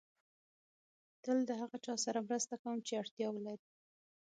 تل د هغه چا سره مرسته کوم چې اړتیا ولري.